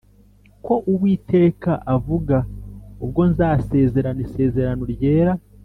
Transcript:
ko uwiteka avuga ubwo nzasezerana isezerano ryera